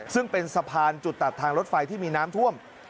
ซึ่งเป็นสะพานจุดตัดทางรถไฟที่มีน้ำท่วม